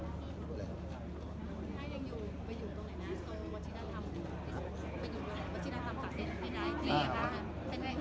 วัชินธรรมสาเซ็นที่ไหน